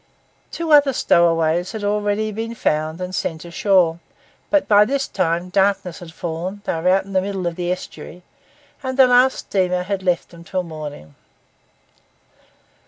Two other stowaways had already been found and sent ashore; but by this time darkness had fallen, they were out in the middle of the estuary, and the last steamer had left them till the morning.